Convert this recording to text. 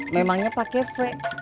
memangnya pakai v